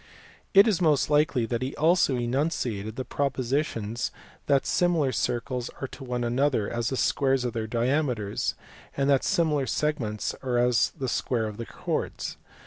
It is most likely that he also enunciated the propositions that [similar] circles are to one another as the squares of their diameters (Euc. xn. 2), and that similar segments are as the squares of their chords.